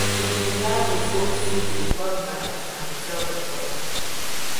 The Baudelaires go see the Quagmires and tell them what happened.